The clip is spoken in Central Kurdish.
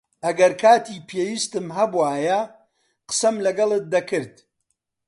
ئەگەر کاتی پێویستم هەبووایە، قسەم لەگەڵت دەکرد.